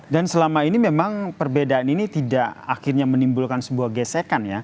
dan selama ini memang perbedaan ini tidak akhirnya menimbulkan sebuah gesekan ya